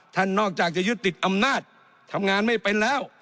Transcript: นอกจากจะยึดติดอำนาจทำงานไม่เป็นแล้ว